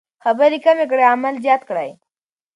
خبرې کمې کړئ عمل زیات کړئ.